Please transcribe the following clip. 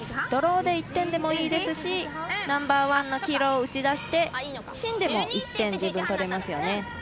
ドローで１点でもいいですしナンバーワンの黄色を打ち出して、芯でも１点十分取れますよね。